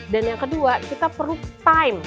dan yang kedua kita perlu time